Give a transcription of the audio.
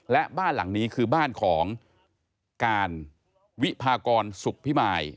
และบ้านหลังนี้คือบ้านของการวิพากรสุขพิมาย